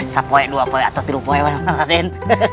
satu poin dua poin atau tiga poin raden